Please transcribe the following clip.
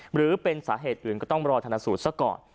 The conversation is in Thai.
หรือเป็นสาเหตุอื่นก็ต้องรอธนสูตรซะก่อน